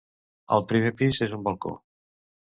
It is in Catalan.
Al primer pis és un balcó.